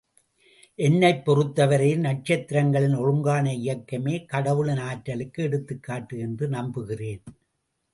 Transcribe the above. என்னைப் பொறுத்த வரையில் நட்சத்திரங்களின் ஒழுங்கான இயக்கமே, கடவுளின் ஆற்றலுக்கு எடுத்துக்காட்டு என்று நம்புகிறேன்.